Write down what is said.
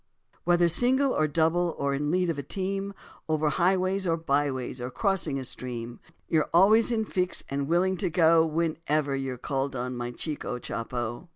Whether single or double or in the lead of the team, Over highways or byways or crossing a stream, You're always in fix and willing to go, Whenever you're called on, my chico Chopo.